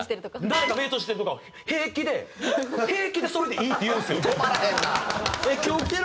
誰か目閉じてるとかを平気で平気で「それでいい」って言うんですよ！